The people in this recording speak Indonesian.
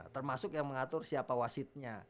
termasuk yang mengatur siapa wasitnya